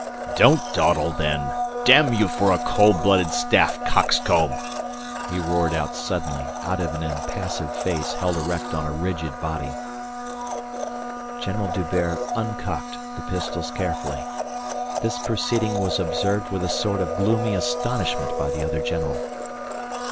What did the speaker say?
"Don't dawdle then, damn you for a coldblooded staff coxcomb!" he roared out suddenly out of an impassive face held erect on a rigid body. General D'Hubert uncocked the pistols carefully. This proceeding was observed with a sort of gloomy astonishment by the other general.